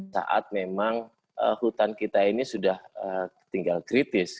saat memang hutan kita ini sudah tinggal kritis